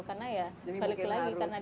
karena ya balik lagi karena dari sampah